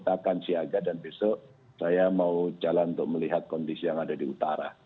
akan siaga dan besok saya mau jalan untuk melihat kondisi yang ada di utara